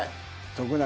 徳永